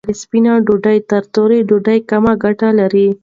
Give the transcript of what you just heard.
سپینه ډوډۍ تر تورې ډوډۍ کمه ګټه لري.